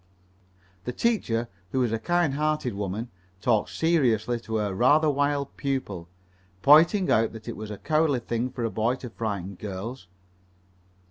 The teacher, who was a kind hearted woman, talked seriously to her rather wild pupil, pointing out that it was a cowardly thing for a boy to frighten girls.